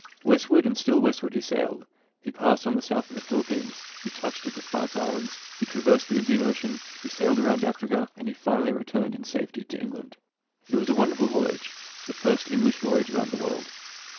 Westward and still westward he sailed. He passed on the south of the Philippines, he touched at the Spice Islands, he traversed the Indian Ocean, he sailed around Africa, and finally returned in safety to England. It was a wonderful voyage — the first English voyage round the world.